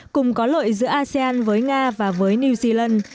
cùng có lội giữa asean với nga và với new zealand